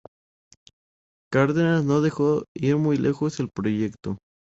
Cárdenas no dejó ir muy lejos el proyecto.